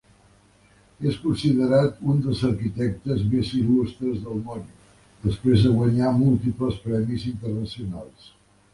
És considerat un dels arquitectes més il·lustres del món, després de guanyar múltiples premis internacionals.